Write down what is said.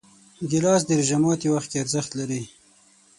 ګیلاس د روژه ماتي وخت کې ارزښت لري.